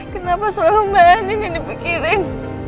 kenapa selalu mbak anin yang dipikirin